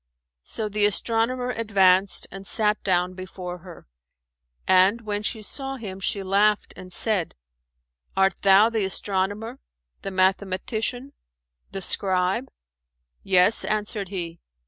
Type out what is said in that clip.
So the astronomer advanced and sat down before her; and, when she saw him, she laughed and said, "Art thou the astronomer, the mathematician, the scribe?" "Yes," answered he.